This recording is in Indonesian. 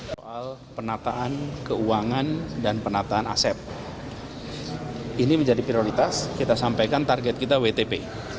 soal penataan keuangan dan penataan aset ini menjadi prioritas kita sampaikan target kita wtp